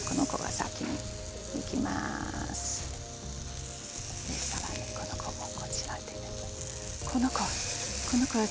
さらにこの子もこちらのお皿に。